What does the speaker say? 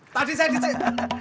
tadi saya disini